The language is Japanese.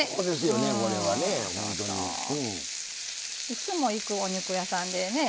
いつも行くお肉屋さんでね